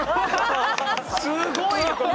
すごいよこれ。